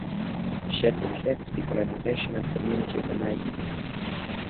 She advocates decolonization and community organizing.